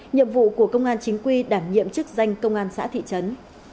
nhiệm vụ của công an chính quy đảm nhiệm chức danh công an xã thị trấn